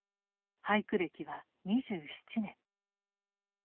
俳句歴は２７年。